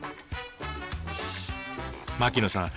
槙野さん